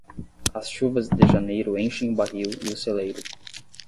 As chuvas de janeiro enchem o barril e o celeiro.